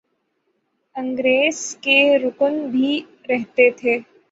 ingress کے رکن بھی رہے تھے